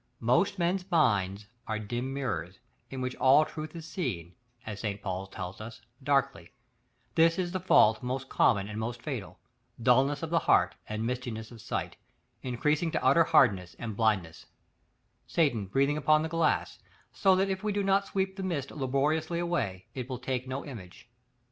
Most men's minds are dim mirrors, in which all truth is seen, as St. Paul tells us, darkly: this is the fault most common and most fatal; dulness of the heart and mistiness of sight, increasing to utter hardness and blindness; Satan breathing upon the glass, so that if we do not sweep the mist laboriously away, it will take no image.